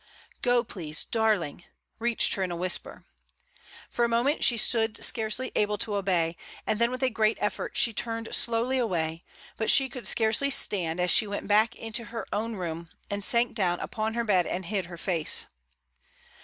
"Go, please, darling," reached her in a whisper. For a moment she stood scarcely able to obey, and then with a great effort she turned slowly away; but she could scarcely stand as she went back into her own room, and sank down upon her bed and hid her face.